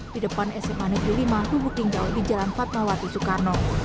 di depan sma negeri lima lubuk linggau di jalan fatmawati soekarno